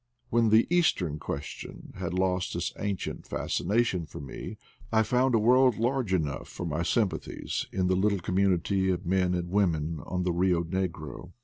"When the Eastern Question had lost its ancient fascina tion for me I found a world large enough for my sympathies in the little community of men and women on the Eio Negro.